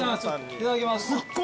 いただきます。